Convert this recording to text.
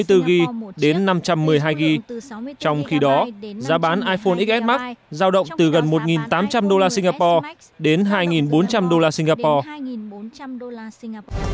trong khi đó giá bán iphone xs max giao động từ gần một tám trăm linh usd singapore đến hai bốn trăm linh usd singapore